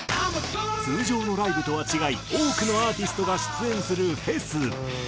通常のライブとは違い多くのアーティストが出演するフェス。